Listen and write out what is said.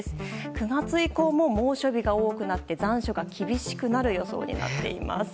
９月以降も猛暑日が多くなって残暑が厳しくなる予想になっています。